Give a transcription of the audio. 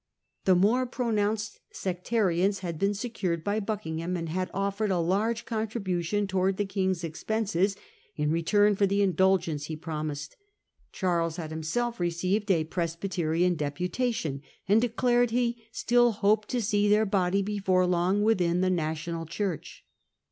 The more pronounced sectarians had been secured by Buckingham, and had offered a large contribution towards the King's expenses in return for the indulgence he promised. Charles had himself received a Presbyterian deputation, and declared he still hoped to see their body before long within the national Church.